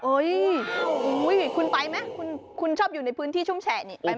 โอ้โหคุณไปไหมคุณชอบอยู่ในพื้นที่ชุ่มแฉะนี่ไปไหม